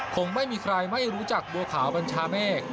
คงไม่มีใครไม่รู้จักบัวขาวบัญชาเมฆ